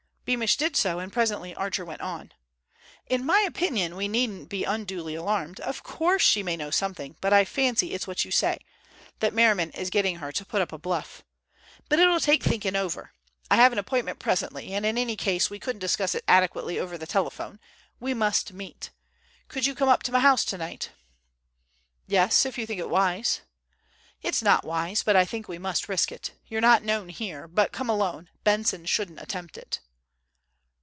Beamish did so, and presently Archer went on: "In my opinion, we needn't be unduly alarmed. Of course she may know something, but I fancy it's what you say; that Merriman is getting her to put up a bluff. But it'll take thinking over. I have an appointment presently, and in any case we couldn't discuss it adequately over the telephone. We must meet. Could you come up to my house tonight?" "Yes, if you think it wise?" "It's not wise, but I think we must risk it. You're not known here. But come alone; Benson shouldn't attempt it."